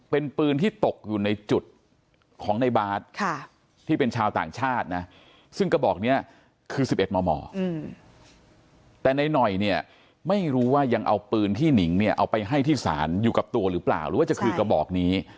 เป็นปืนที่ตกอยู่ในจุดของในบาสที่เป็นชาวต่างชาตินะซึ่งกระบอกนี้คือ๑๑มมแต่นายหน่อยเนี่ยไม่รู้ว่ายังเอาปืนที่หนิงเนี่ยเอาไปให้ที่ศาลอยู่กับตัวหรือเปล่าหรือว่าจะคือกระบอกนี้